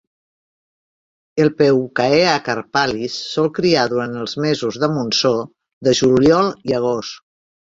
El "Peucaea carpalis" sol criar durant els mesos de monsó de juliol i agost.